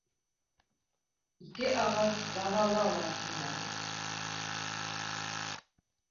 Ике ағас далала ла һүнмәҫ.